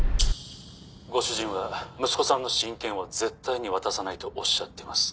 「ご主人は息子さんの親権は絶対に渡さないとおっしゃっています」